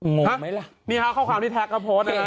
งงไหมล่ะ